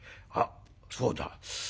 あっそうだ。